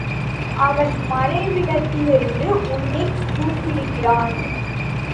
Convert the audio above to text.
அவன் மறைவிடத்திலிருந்து உன்னைக் கூப்பிடுகிறான்.